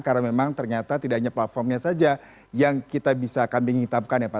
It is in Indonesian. karena memang ternyata tidak hanya platformnya saja yang kita bisa kambing hitamkan ya pak